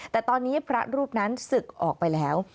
แต่ตอนนี้พระรูปนั้นศึกออกไปแล้ว